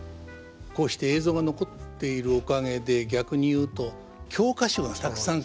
こうして映像が残っているおかげで逆に言うと教科書がたくさんこう残ってくれていると。